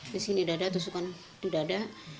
di sini dada tusukan di dada